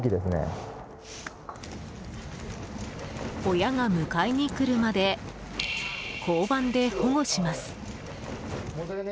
親が迎えに来るまで交番で保護します。